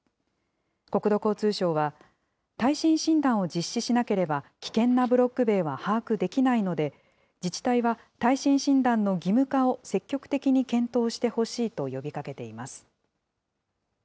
国土交通省は、耐震診断を実施しなければ危険なブロック塀は把握できないので、自治体は耐震診断の義務化を積極的に検討してほしいと呼びかけています。